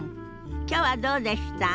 きょうはどうでした？